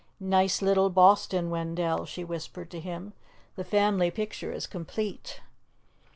"Nice little Boston, Wendell," she whispered to him. "The family picture is complete."